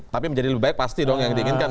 tapi menjadi lebih baik pasti dong yang diinginkan